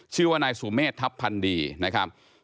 ชื่อว่านายสุเมฆทัพพันดีนะครับ